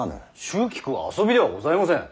蹴鞠は遊びではございません。